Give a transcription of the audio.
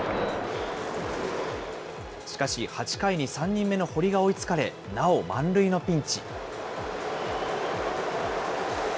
しかし、８回に３人目の堀が追いつかれ、なお満塁のピンチ。